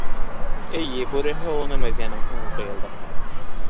Эйе, бүреһе олоно Мәҙинәнең һуңғы йылдарҙа!